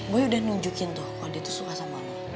gue udah nunjukin tuh kalau dia tuh suka sama lo